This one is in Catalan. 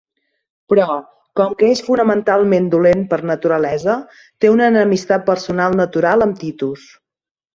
Però, com que és fonamentalment dolent per naturalesa, té una enemistat personal natural amb Titus.